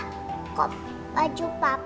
pa kok baju papa basah